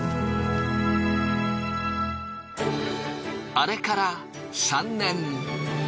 あれから３年。